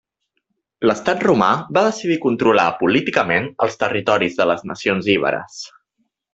L'estat romà va decidir controlar políticament els territoris de les nacions iberes.